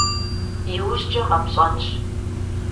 Иужькӏэ къэпщӏэнщ.